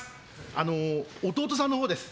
あのー、弟さんのほうです。